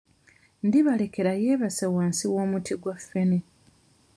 Ndibalekera yeebase wansi w'omuti gwa ffene